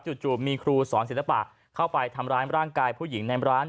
จู่มีครูสอนศิลปะเข้าไปทำร้ายร่างกายผู้หญิงในร้าน